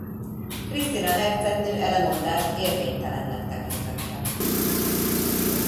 Krisztina hercegnő e lemondást érvénytelennek tekintette.